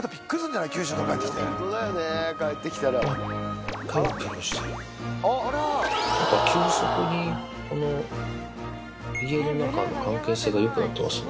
なんか急にそこに、家の中の関係性がよくなってますね。